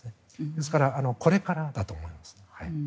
ですからこれからだと思います。